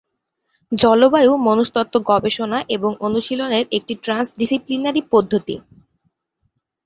জলবায়ু মনস্তত্ত্ব গবেষণা এবং অনুশীলনের একটি ট্রান্স-ডিসিপ্লিনারি পদ্ধতি।